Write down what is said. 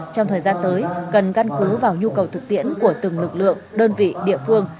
trong thời gian tới cần căn cứ vào nhu cầu thực tiễn của từng lực lượng đơn vị địa phương